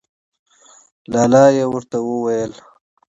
لا لا یې ورته وویل.